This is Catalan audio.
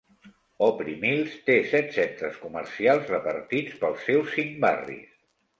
Opry Mills té set centres comercials repartits pels seus cinc barris.